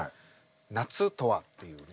夏とはっていうね。